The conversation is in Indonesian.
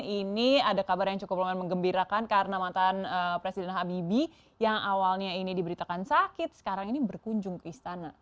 ini ada kabar yang cukup mengembirakan karena mantan presiden habibie yang awalnya ini diberitakan sakit sekarang ini berkunjung ke istana